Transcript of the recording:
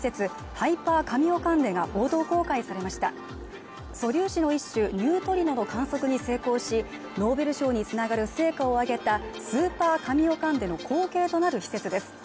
ハイパーカミオカンデが報道公開されました素粒子の一種ニュートリノの観測に成功しノーベル賞につながる成果を上げたスーパーカミオカンデの後継となる施設です